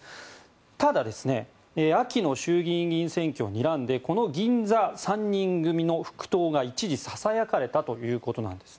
ただ秋の衆議院議員選挙をにらんでこの銀座３人組の復党が一時、ささやかれたということなんです。